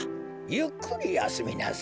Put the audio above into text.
ゆっくりやすみなさい。